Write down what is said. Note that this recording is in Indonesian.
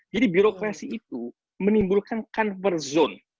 jadi birokrasi itu menimbulkan convert zone